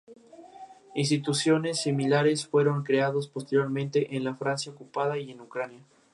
Murió sin herederos.